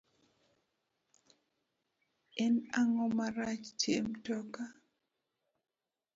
En ango marach tie mtoka